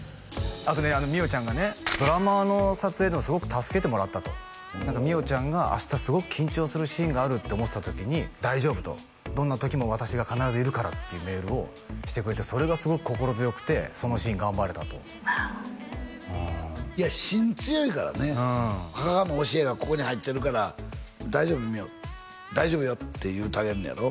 あとね美桜ちゃんがね「ドラマの撮影ではすごく助けてもらった」と美桜ちゃんが「明日すごく緊張するシーンがある」って思ってた時に「大丈夫」と「どんな時も私が必ずいるから」っていうメールをしてくれてそれがすごく心強くてそのシーン頑張れたといや芯強いからね母の教えがここに入ってるから「大丈夫美桜大丈夫よ」って言うてあげんねやろ？